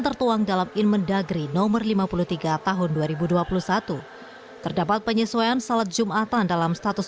tertuang dalam inmen dagri nomor lima puluh tiga tahun dua ribu dua puluh satu terdapat penyesuaian salat jumatan dalam status